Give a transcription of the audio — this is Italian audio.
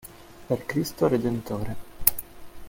Per Cristo redentore.